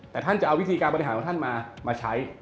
แต่ท่านจะเอาวิธีการบริหารของท่านมาใช้